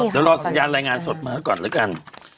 เดี๋ยวรอสัญญาณรายงานสดมาก่อน